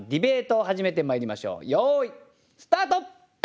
よいスタート！